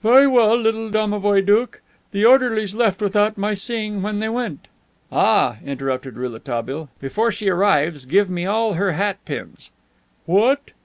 "Very well, little domovoi doukh. The orderlies left without my seeing when they went." "Ah," interrupted Rouletabille, "before she arrives, give me all her hat pins." "What!"